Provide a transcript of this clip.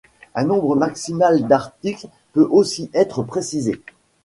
Un nombre maximal d'articles peut aussi être précisé.